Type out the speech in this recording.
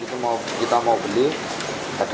habis itu kita mau beli ada hp di cek